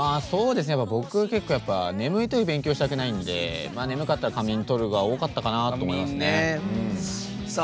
僕、結構眠いとき勉強したくないんで眠かったら仮眠とるが多かったかなと思いますね。